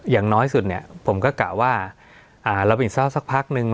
อย่างน้อยสุดเนี่ยผมก็กะว่าเราปิดเศร้าสักพักนึง